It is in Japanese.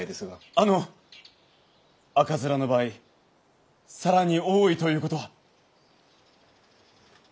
あの赤面の場合更に多いということは？